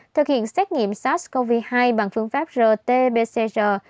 thực hiện xét nghiệm sars cov hai bằng phương pháp rt pcr